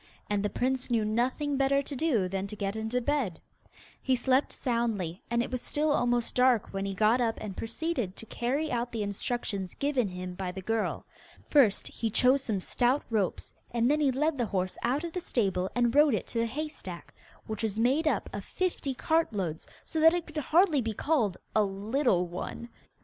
And the prince knew nothing better to do than to get into bed. He slept soundly, and it was still almost dark when he got up and proceeded to carry out the instructions given him by the girl. First he chose some stout ropes, and then he led the horse out of the stable and rode it to the hay stack, which was made up of fifty cartloads, so that it could hardly be called 'a little one.